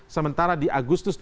sementara di agustus